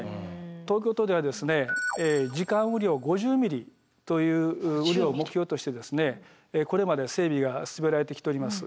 東京都では時間雨量５０ｍｍという雨量を目標としてこれまで整備が進められてきております。